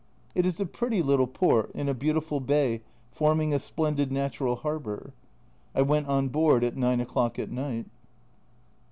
It is a pretty little port, in a beautiful bay forming a splendid natural harbour. I went on board at 9 o'clock at night.